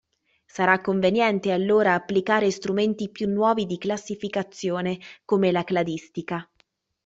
Sarà conveniente allora applicare strumenti più nuovi di classificazione, come la cladistica.